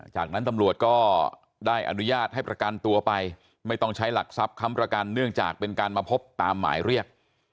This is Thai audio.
จากนั้นตำรวจก็ได้อนุญาตให้ประกันตัวไปไม่ต้องใช้หลักทรัพย์ค้ำประกันเนื่องจากเป็นการมาพบตามหมายเรียก